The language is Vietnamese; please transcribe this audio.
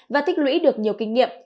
và thích lũy được nhiều kinh nghiệm